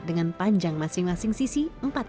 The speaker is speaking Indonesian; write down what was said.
dengan panjang masing masing sisi